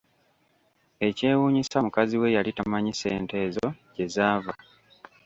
Ekyewuunyisa mukazi we yali tamanyi ssente ezo gye zaava!